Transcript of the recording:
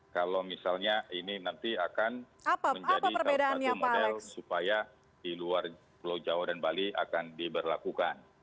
kalau misalnya ini nanti akan menjadi salah satu model supaya di luar pulau jawa dan bali akan diberlakukan